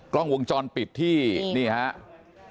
กล้องวงจรปิดที่นี่ครับ